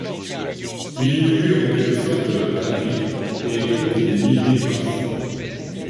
Il inaugure en quelque sorte la braderie et compte des milliers de participants.